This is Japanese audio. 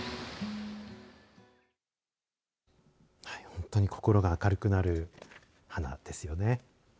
本当に心が明るくなる花ですよね。